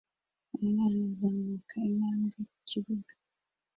Umwana azamuka intambwe ku kibuga